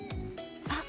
あっ！